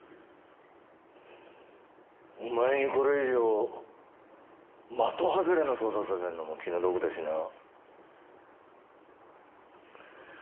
お前にこれ以上的外れな捜査させるのも気の毒だしな。